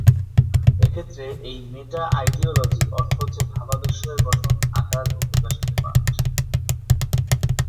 এক্ষেত্রে এই মেটা-আইডিওলজি অর্থ হচ্ছে ভাবাদর্শ এর গঠন, আকার ও প্রকাশ নিয়ে পাঠ।